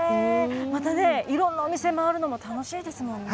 またね、いろんなお店があるのも楽しいですものね。